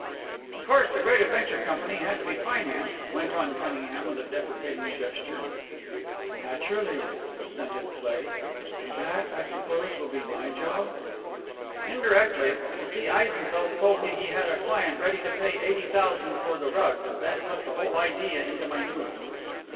"Of course the Great Adventure Company had to be financed," went on Cunningham with a deprecating gesture. "Naturally," assented Cleigh. "And that, I suppose, will be my job?" "Indirectly. You see, Eisenfeldt told me he had a client ready to pay eighty thousand for the rug, and that put the whole idea into my noodle."